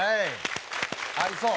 ありそう。